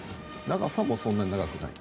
長さもそんなに長くない。